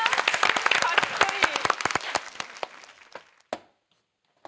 カッコいい！